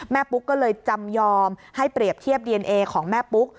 ปุ๊กก็เลยจำยอมให้เปรียบเทียบดีเอนเอของแม่ปุ๊ก